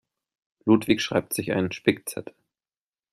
Ludwig schreibt sich einen Spickzettel.